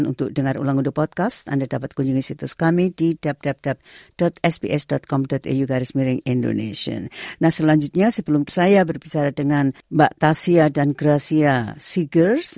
nah selanjutnya sebelum saya berbicara dengan mbak tasya dan gracia seegers